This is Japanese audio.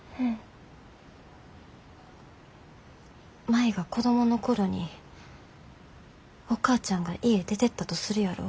舞が子供の頃にお母ちゃんが家出てったとするやろ。